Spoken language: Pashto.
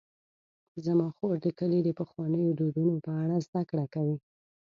زما خور د کلي د پخوانیو دودونو په اړه زدهکړه کوي.